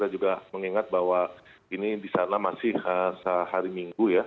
kita juga mengingat bahwa ini di sana masih sehari minggu ya